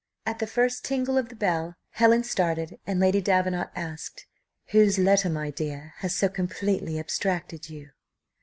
At the first tingle of the bell Helen started, and Lady Davenant asked, "Whose letter, my dear, has so completely abstracted you?"